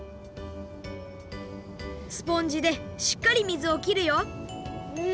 スポンジでしっかり水をきるよんん！